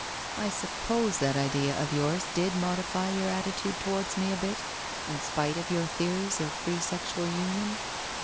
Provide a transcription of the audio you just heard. I suppose that idea of yours did modify your attitude towards me a bit in Bpite of your theories of free sexual union?